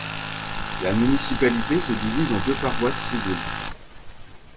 La municipalité se divise en deux paroisses civiles.